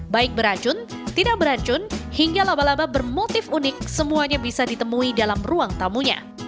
baik beracun tidak beracun hingga laba laba bermotif unik semuanya bisa ditemui dalam ruang tamunya